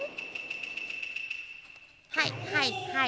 はいはいはい。